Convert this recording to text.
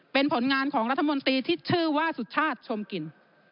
เป็นผลงานของรัฐมนตรีที่ชื่อว่าสุชาติชมกลิ่น